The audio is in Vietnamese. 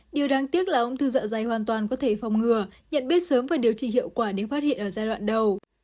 điều đáng tiếc là ung thư dạ dày hoàn toàn có thể phòng ngừa nhận biết sớm và điều trị hiệu quả nếu phát hiện ở giai đoạn đầu